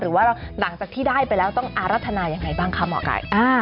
หรือว่าหลังจากที่ได้ไปแล้วต้องอารัฐนายังไงบ้างคะหมอไก่